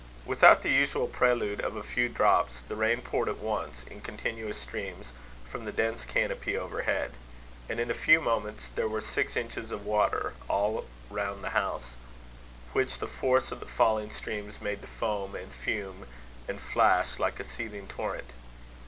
Without the usual prelude of a few great drops, the rain poured at once, in continuous streams, from the dense canopy overhead; and in a few moments there were six inches of water all round the house, which the force of the falling streams made to foam, and fume, and flash like a seething torrent.